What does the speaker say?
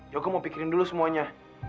yaudah mau pikirin dulu semuanya